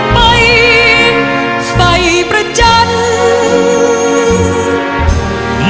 ไม่เร่รวนภาวะผวังคิดกังคัน